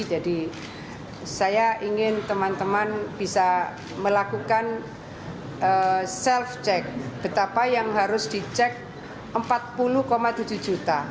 jadi saya ingin teman teman bisa melakukan self check betapa yang harus dicek empat puluh tujuh juta